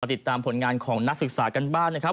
ติดตามผลงานของนักศึกษากันบ้างนะครับ